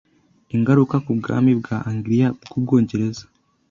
ingaruka ku bwami bwa Angliya bwUbwongereza